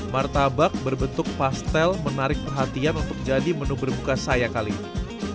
martabak berbentuk pastel menarik perhatian untuk jadi menu berbuka saya kali ini